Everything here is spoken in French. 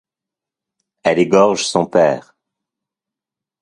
Elle égorge son père!